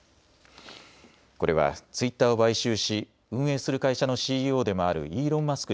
これはツイッターを買収し運営する会社のＣＥＯでもあるイーロン・マスク